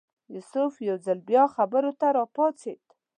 یوسف یو ځل بیا خبرو ته راپاڅېد.